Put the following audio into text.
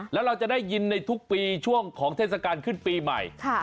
แล้วเราจะได้ยินในทุกปีช่วงของเทศกาลขึ้นปีใหม่